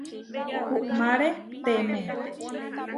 Uʼmáreteme.